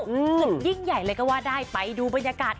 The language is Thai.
สุดยิ่งใหญ่เลยก็ว่าได้ไปดูบรรยากาศ